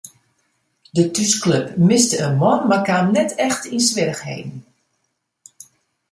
De thúsklup miste in man mar kaam net echt yn swierrichheden.